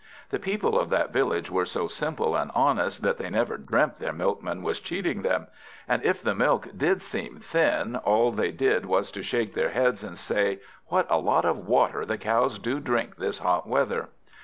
The people of that village were so simple and honest, that they never dreamt their Milkman was cheating them; and if the milk did seem thin, all they did was to shake their heads, and say, "What a lot of water the cows do drink this hot weather!"